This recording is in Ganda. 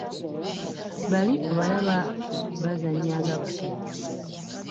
Bali obalaba bazannya nga batujju.